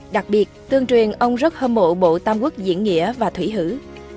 đặc biệt tương truyền ông rất hâm mộ bộ tam quốc diễn nghĩa và thủy hữu